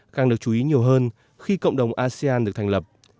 càng được chú ý nhiều hơn khi cộng đồng asean được thành lập